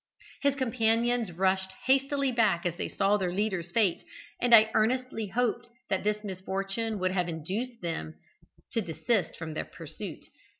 His companions rushed hastily back as they saw their leader's fate, and I earnestly hoped that this misfortune would have induced them to desist from their pursuit.